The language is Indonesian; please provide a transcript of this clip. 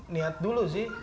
niat dulu sih